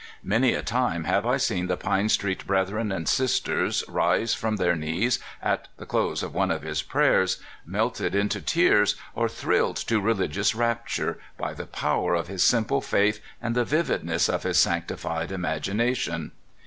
Many a time have I seen the Pine Street brethren and sisters rise from their knees, at the close of one of his prayers, melted into tears, or thrilled to religious rapture, by the power of his simple faith and the vividness of his sanctified imagination.